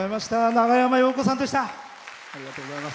長山洋子さんでした。